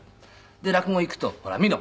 で落語へ行くと「ほら見ろ。